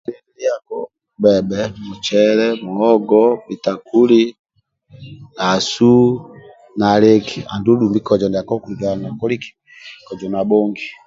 Pesiabho gbebhe mucele muhogo bhitakuli asu na liki andulu dumbi kozo ndiako akilikaga nakoli eki kozo nabhongi